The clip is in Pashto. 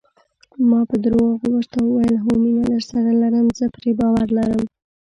ما په درواغو ورته وویل: هو، مینه درسره لرم، زه پرې باور لرم.